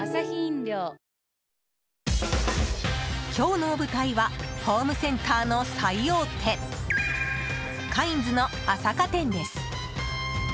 今日の舞台はホームセンターの最大手カインズの朝霞店です。